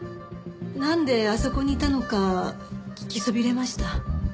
なんであそこにいたのか聞きそびれました。